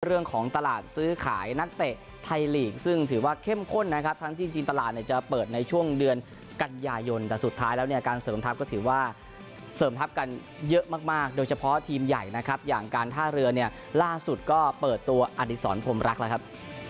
เรื่องของตลาดซื้อขายนักเตะไทยลีกซึ่งถือว่าเข้มข้นนะครับทั้งที่จริงตลาดเนี่ยจะเปิดในช่วงเดือนกันยายนแต่สุดท้ายแล้วเนี่ยการเสริมทัพก็ถือว่าเสริมทัพกันเยอะมากโดยเฉพาะทีมใหญ่นะครับอย่างการท่าเรือเนี่ยล่าสุดก็เปิดตัวอดิษรพรมรักแล้วครับ